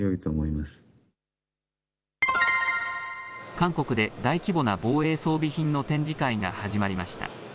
韓国で大規模な防衛装備品の展示会が始まりました。